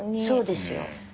そうですよ。